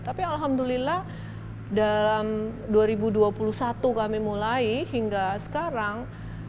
tapi alhamdulillah dalam dua ribu dua puluh satu kami mulai hingga sekarang